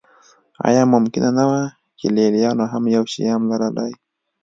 آیا ممکنه نه وه چې لېلیانو هم یو شیام لرلی